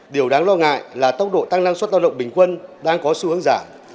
điều đáng lo ngại là tốc độ tăng năng suất tạo động bình quân đang có sự hướng giảm